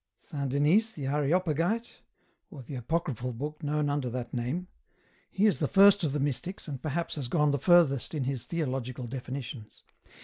" Saint Denys the Areopagite, or the apocryphal book known under that name ? He is the first of the Mystics, and perhaps has gone the furthest in his theological defini tions.